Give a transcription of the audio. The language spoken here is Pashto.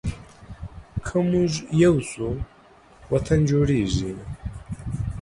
که مونږ یو شو، وطن جوړیږي.